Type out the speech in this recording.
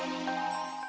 gdzie tau bapak buatnya